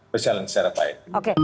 berjalan secara baik